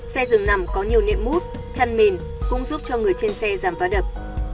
xe rừng nằm có nhiều nệm mút chăn mền cũng giúp cho người trên xe giảm vá đập